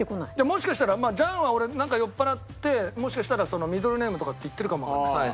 もしかしたら「ジャン」は俺なんか酔っぱらってもしかしたらミドルネームとか言ってるかもわからない。